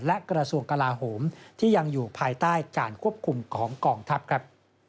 และกระทรวงกลาโหมที่ยังอยู่ภายใต้การควบคุมของกองทัพครับ